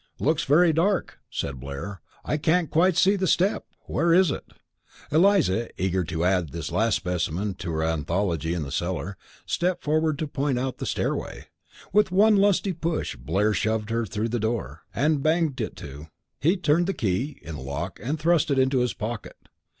"Looks very dark," said Blair. "I can't quite see the step. Where is it?" Eliza, eager to add this last specimen to her anthology in the cellar, stepped forward to point out the stairway. With one lusty push Blair shoved her through the door, and banged it to. He turned the key in the lock and thrust it into his pocket.